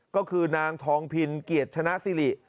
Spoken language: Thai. ก็คือนางทองพินเกียรติชนะสิริ